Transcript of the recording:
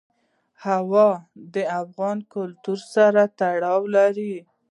هوا د افغان کلتور سره تړاو لري.